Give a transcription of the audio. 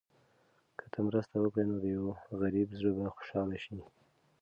که ته مرسته وکړې، نو د یو غریب زړه به خوشحاله شي.